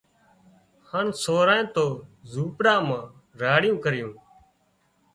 هانَ سورانئين تو زوپڙا مان راڙيون ڪريون